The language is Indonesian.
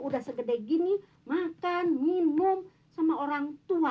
udah segede gini makan minum sama orang tua